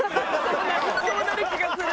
そうなる気がする。